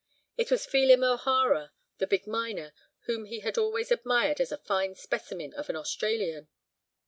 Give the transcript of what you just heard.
It was Phelim O'Hara, the big miner, whom he had always admired as a fine specimen of an Australian.